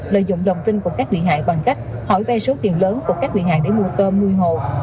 lợi dụng đồng tin của các bị hại bằng cách hỏi vay số tiền lớn của các quyền hàng để mua tôm nuôi hồ